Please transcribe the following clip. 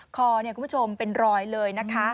คอคุณผู้ชมเป็นรอยเลยนะคะ